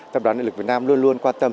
tập đoàn điện lực việt nam luôn luôn quan tâm